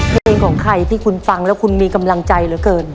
เพลงของใครที่คุณฟังแล้วคุณมีกำลังใจเหลือเกิน